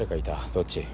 どっち？